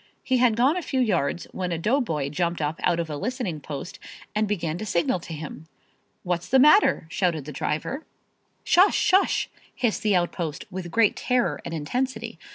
He had gone a few yards when a doughboy jumped up out of a listening post and began to signal to him. "What's the matter?" shouted the driver. "Shush! Shush!" hissed the outpost with great terror and intensity.